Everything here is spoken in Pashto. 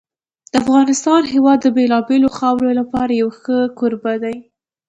د افغانستان هېواد د بېلابېلو خاورو لپاره یو ښه کوربه دی.